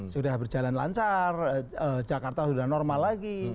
sudah berjalan lancar jakarta sudah normal lagi